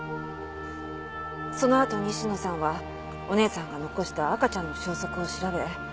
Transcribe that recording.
そのあと西野さんはお姉さんが残した赤ちゃんの消息を調べ